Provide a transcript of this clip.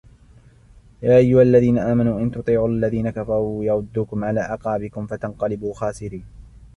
يَا أَيُّهَا الَّذِينَ آمَنُوا إِنْ تُطِيعُوا الَّذِينَ كَفَرُوا يَرُدُّوكُمْ عَلَى أَعْقَابِكُمْ فَتَنْقَلِبُوا خَاسِرِينَ